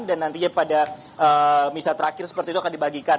dan nantinya pada misa terakhir seperti itu akan dibagikan